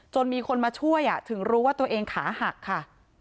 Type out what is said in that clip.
มีคนมาช่วยถึงรู้ว่าตัวเองขาหักค่ะ